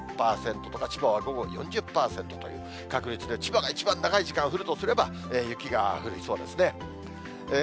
３０％とか、千葉は午後４０％という確率で、千葉が一番長い時間、降るとすれば、雪が降りそうですね。